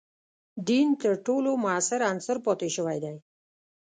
دین تر ټولو موثر عنصر پاتې شوی دی.